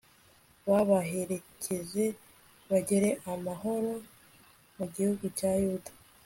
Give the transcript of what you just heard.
babaherekeze bagere amahoro mu gihugu cya yuda